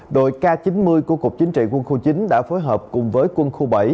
đội k chín mươi của cục chính trị quân khu chín đã phối hợp cùng với quân khu bảy